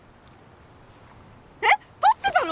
えっ撮ってたの！？